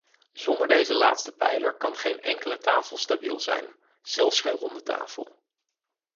Zonder deze laatste pijler kan geen enkele tafel stabiel zijn, zelfs geen ronde tafel.